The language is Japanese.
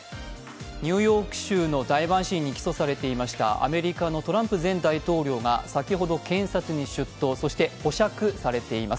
ニューヨーク州の大陪審に起訴されていました、アメリカのトランプ前大統領が先ほど検察に出頭、そして保釈されています。